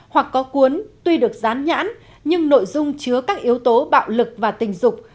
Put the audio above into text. hoặc có cuốn tuy được dán nhãn nhưng nội dung chứa các yếu tố bạo lực và tình dục